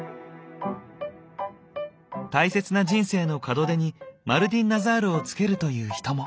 大切な人生の門出にマルディンナザールをつけるという人も。